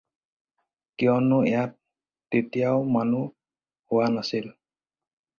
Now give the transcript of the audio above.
কিয়নো ইয়াত তেতিয়াও মানুহ শোৱা নাছিল।